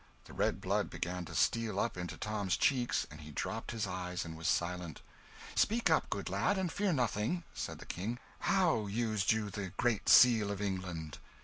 The red blood began to steal up into Tom's cheeks, and he dropped his eyes and was silent. "Speak up, good lad, and fear nothing," said the King. "How used you the Great Seal of England?"